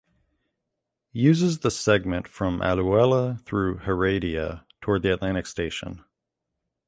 Uses the segment from Alajuela through Heredia toward the Atlantic station.